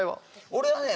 俺はね